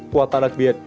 quà tặng đặc biệt